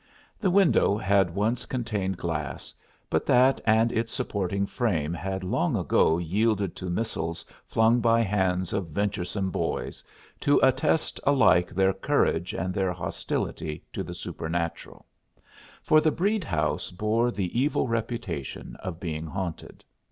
The window had once contained glass, but that and its supporting frame had long ago yielded to missiles flung by hands of venturesome boys to attest alike their courage and their hostility to the supernatural; for the Breede house bore the evil reputation of being haunted.